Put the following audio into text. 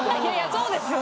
そうですよね。